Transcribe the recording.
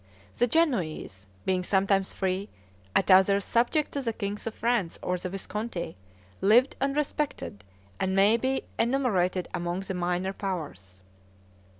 The Genoese, being sometimes free, at others, subject to the kings of France or the Visconti, lived unrespected, and may be enumerated among the minor powers.